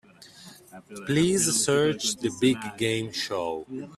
Please search The Big Game show.